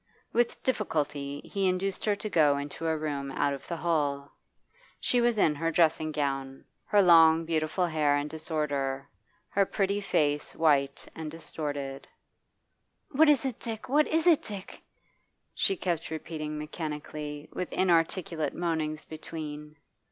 With difficulty he induced her to go into a room out of the hall. She was in her dressing gown, her long beautiful hair in disorder, her pretty face white and distorted. 'What is it, Dick? what is it, Dick?' she kept repeating mechanically, with inarticulate moanings between.